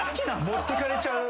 持ってかれちゃう。